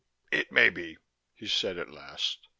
"It may be," he said at last.